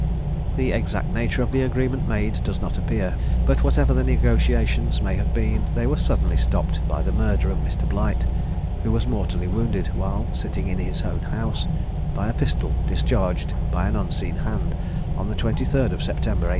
The exact nature of the agreement made does not appear, but whatever the negotiations may have been, they were suddenly stopped by the murder of Mr. Blight, who was mortally wounded, while sitting in his own house, by a pistol discharged by an unseen hand, on the 23rd September 1805.